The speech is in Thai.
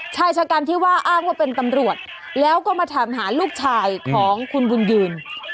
ชายชะกันที่ว่าอ้างว่าเป็นตำรวจแล้วก็มาถามหาลูกชายของคุณบุญยืน